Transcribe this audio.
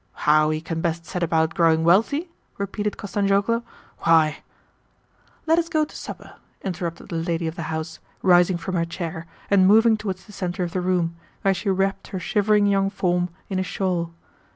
"How he can best set about growing wealthy?" repeated Kostanzhoglo. "Why, " "Let us go to supper," interrupted the lady of the house, rising from her chair, and moving towards the centre of the room, where she wrapped her shivering young form in a shawl.